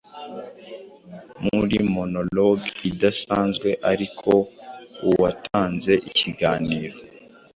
Muri monologue idaanzwe, ariko, uwatanze ikiganiro